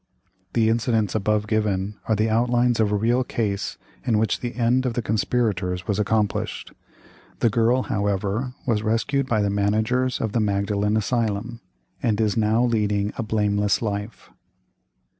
"The incidents above given are the outlines of a real case in which the end of the conspirators was accomplished; the girl, however, was rescued by the Managers of the Magdalen Asylum, and is now leading a blameless life."